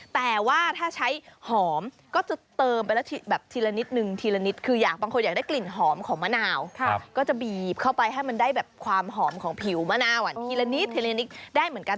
แต่ว่าถ้าใช้หอมก็จะเติมไปละแบบทีละนิดนึงทีละนิดคืออยากบางคนอยากได้กลิ่นหอมของมะนาวก็จะบีบเข้าไปให้มันได้แบบความหอมของผิวมะนาวทีละนิดทีละนิดได้เหมือนกัน